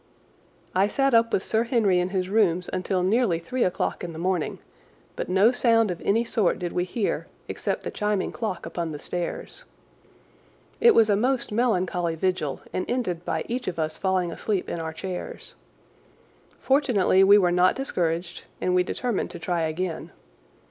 I sat up with Sir Henry in his rooms until nearly three o'clock in the morning, but no sound of any sort did we hear except the chiming clock upon the stairs. It was a most melancholy vigil and ended by each of us falling asleep in our chairs. Fortunately we were not discouraged, and we determined to try again.